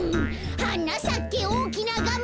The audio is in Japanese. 「はなさけおおきなガマ」